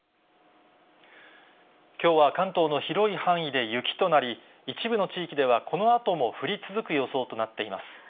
きょうは関東の広い範囲で雪となり、一部の地域ではこのあとも降り続く予想となっています。